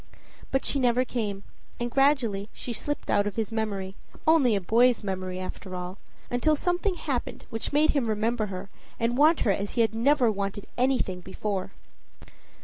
But she never came, and gradually she slipped out of his memory only a boy's memory, after all; until something happened which made him remember her, and want her as he had never wanted anything before.